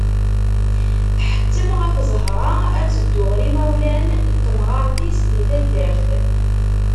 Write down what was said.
Tḥettem ɣef Zahra ad teddu ɣer yimawlan n temɣart-is di taddart.